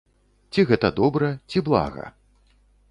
Ці гэта добра, ці блага?